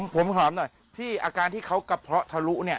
ผมหอมหน่อยที่อาการที่เขากระเพาะทะลุเนี่ย